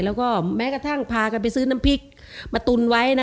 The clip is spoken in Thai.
แทนก็มาตูนไว้เพื่อมากินน้ำคลื่น